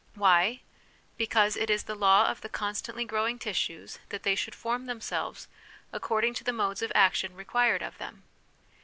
Why? Because it is the law of the constantly growing tissues that they should form themselves according to the modes of action required of them.